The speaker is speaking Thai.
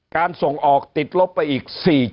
ส่งออกติดลบไปอีก๔๐